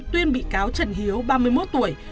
tuyên bị cáo trần hiếu ba mươi một tuổi